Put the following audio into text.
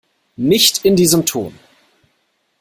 Nicht in diesem Ton!